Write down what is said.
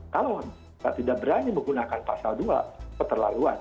kalau tidak berani menggunakan pasal dua itu terlalu luas